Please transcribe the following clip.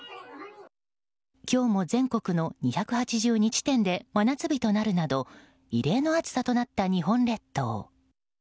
今日も全国の２８２地点で真夏日となるなど異例の暑さとなった日本列島。